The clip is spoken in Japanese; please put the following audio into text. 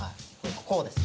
こうです。